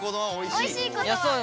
おいしいことを。